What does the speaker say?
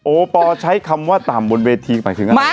โอปอล์ใช้คำว่าต่ำบนเวทีคืออะไร